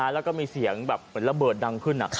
แล้วก็มีเสียงแบบเหมือนระเบิดดังขึ้น